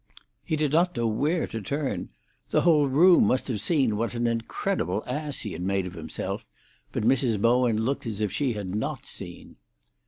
He did not know where to turn; the whole room must have seen what an incredible ass he had made of himself, but Mrs. Bowen looked as if she had not seen.